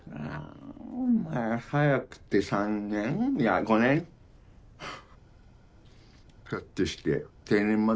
まあ早くて３年いや５年？ひょっとして定年まで？